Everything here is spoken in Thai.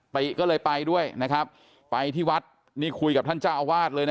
ติก็เลยไปด้วยนะครับไปที่วัดนี่คุยกับท่านเจ้าอาวาสเลยนะ